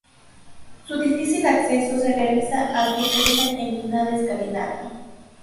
Su difícil acceso se realiza a pie por una empinada escalinata.